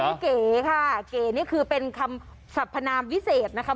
นี่เก๋ค่ะเก๋นี่คือเป็นคำสัพพนามวิเศษนะคะ